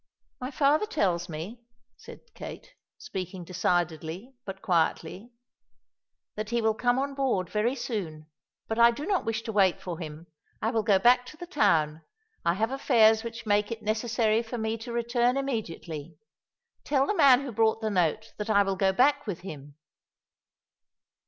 "My father tells me," said Kate, speaking decidedly but quietly, "that he will come on board very soon, but I do not wish to wait for him. I will go back to the town. I have affairs which make it necessary for me to return immediately. Tell the man who brought the note that I will go back with him."